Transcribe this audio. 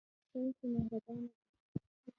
خدای خو مهربانه دی.